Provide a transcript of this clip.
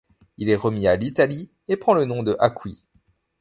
Il est remis à l'Italie et prend le nom de Acqui.